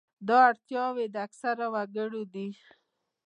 دا اړتیاوې د اکثرو وګړو دي.